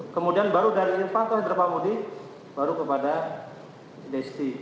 kemudian baru dari irfanto hindra pambudi baru kepada sd